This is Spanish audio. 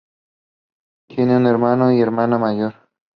Tiene un hermano y una hermana mayor.